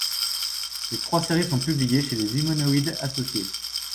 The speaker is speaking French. Les trois séries sont publiées chez Les Humanoïdes Associés.